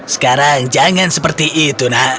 sekarang jangan seperti itu nak